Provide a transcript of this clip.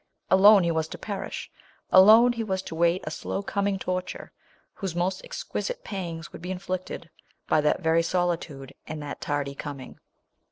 Alone he was to perish !— alone he was to wait a slow c<>mincr torture, whose most exquisite pan? would be inflicted by that very soli tude and that tardy comin? !